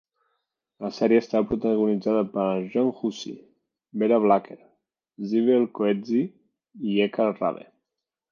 La sèrie estava protagonitzada per John Hussey, Vera Blacker, Sybel Coetzee i Eckard Rabe.